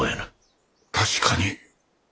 確かに。